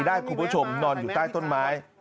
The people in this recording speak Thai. ได้คุณผู้ชมนอนอยู่ใต้ต้นไม้